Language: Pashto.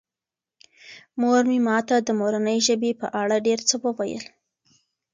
مور مې ماته د مورنۍ ژبې په اړه ډېر څه وویل.